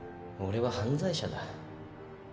俺は犯罪者だ。